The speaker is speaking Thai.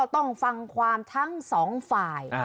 ต้องฟังความทั้งสองฝ่าย